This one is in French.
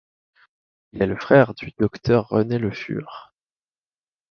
Il est le frère du docteur René Le Fur.